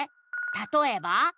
「たとえば？」